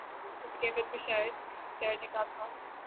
اسی کیفیت پہ شاید شاعر نے کہا تھا۔